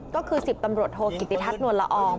ก็คือ๑๐ตำรวจโทกิติทัศนวลละออง